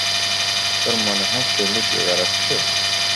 তোর মনে হয় সে লুকিয়ে বেড়াচ্ছে?